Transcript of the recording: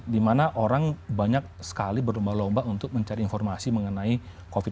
dimana orang banyak sekali berlomba lomba untuk mencari informasi mengenai covid sembilan belas